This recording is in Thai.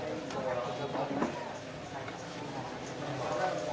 ๔กิโลกรัมและ๖๔กิโลกรัม